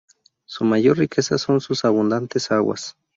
Su mayor riqueza son sus abundantes aguas.